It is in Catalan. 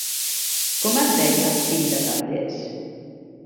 Com es deia el fill de Calders?